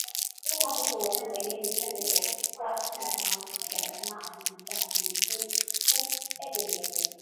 na kutoa lugha yenye kueleweka kwa kila mwanajamii Maadili Utamaduni huu huegemea zaidi